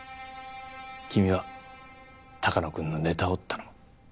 君は鷹野君のネタを頼む。